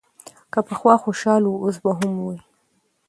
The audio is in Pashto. که پخوا خوشاله و، اوس به هم وي.